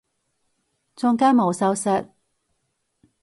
中間冇修飾